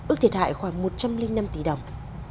ước thiệt hại khoảng một trăm linh năm tỷ đồng